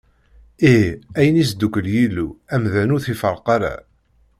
Ihi ayen i yesdukel Yillu, amdan ur t-iferreq ara!